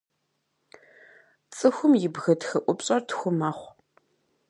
Цӏыхум и бгы тхыӏупщӏэр тху мэхъу.